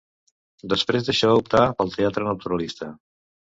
Després d'això optà pel teatre naturalista.